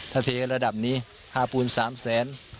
ถ้าเทระดับนี้ค่าปูน๓แสน